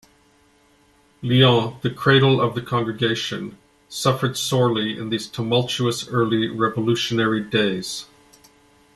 Lyon, the cradle of the congregation, suffered sorely in these tumultuous early revolutionary days.